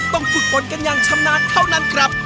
ฝึกฝนกันอย่างชำนาญเท่านั้นครับ